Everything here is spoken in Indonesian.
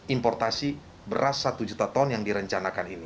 importasi beras satu juta ton yang direncanakan ini